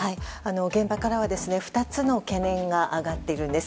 現場からは２つの懸念が上がっているんです。